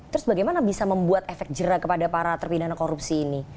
terus bagaimana bisa membuat efek jerak kepada para terpidana korupsi ini